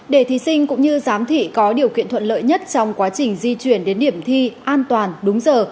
để thí sinh cũng như giám thị có điều kiện thuận lợi nhất trong quá trình di chuyển đến điểm thi an toàn đúng giờ